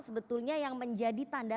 sebetulnya yang menjadi tanda